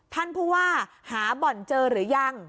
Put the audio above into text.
ท่านผู้ว่าหาบ่อนเจอหรือยัง